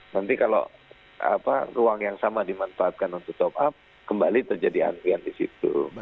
nanti kalau ruang yang sama dimanfaatkan untuk top up kembali terjadi antrian di situ